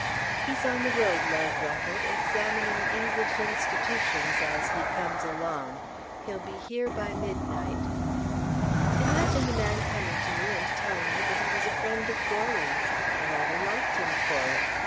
"He's on the road, Lord Rufford, examining English institutions as he comes along. He'll be here by midnight." "Imagine the man coming to me and telling me that he was a friend of Goarly's. I rather liked him for it.